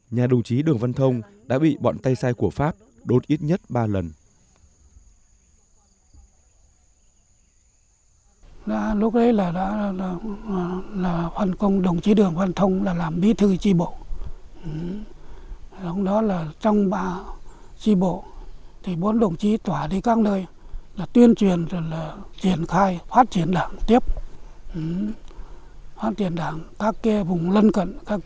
nhà đồng chí đường văn thông đã bị bọn tay sai của pháp đốt ít nhất ba lần